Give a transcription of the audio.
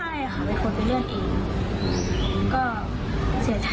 เสียใจมาก